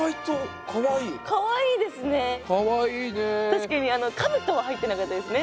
確かに兜は入ってなかったですね。